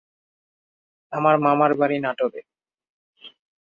আমার মামার বাড়ি নাটোরে।